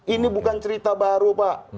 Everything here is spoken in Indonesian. ini bukan cerita baru pak